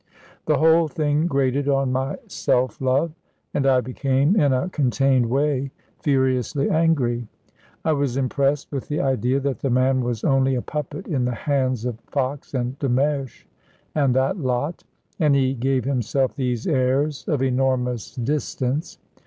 The whole thing grated on my self love and I became, in a contained way, furiously angry. I was impressed with the idea that the man was only a puppet in the hands of Fox and de Mersch, and that lot. And he gave himself these airs of enormous distance.